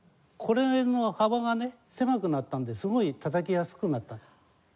これの幅がね狭くなったのですごいたたきやすくなった。